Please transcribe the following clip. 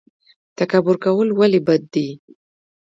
تکبر کول ولې بد دي؟